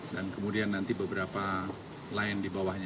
dan kemudian nanti beberapa lain di bawahnya